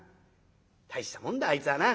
大したもんだあいつはな」。